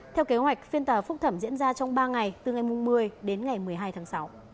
theo kế hoạch phiên tòa phúc thẩm diễn ra trong ba ngày từ ngày một mươi đến ngày một mươi hai tháng sáu